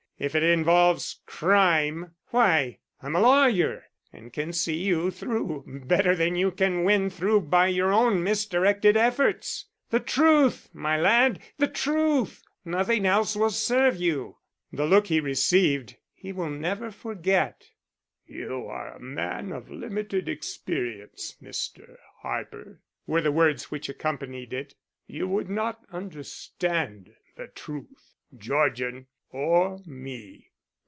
If it involves crime why, I'm a lawyer and can see you through better than you can win through by your own misdirected efforts. The truth, my lad, the truth, nothing else will serve you." The look he received he will never forget. "You are a man of limited experience, Mr. Harper," were the words which accompanied it. "You would not understand the truth, Georgian or me.